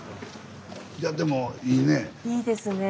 いやでもいいねえ。